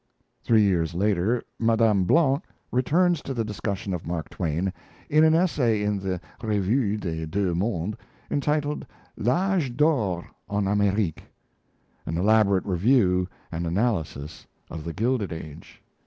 Three years later, Mme. Blanc returns to the discussion of Mark Twain, in an essay in the 'Revue des Deux Mondes', entitled 'L'age Dore en Amerique' an elaborate review and analysis of The Gilded Age.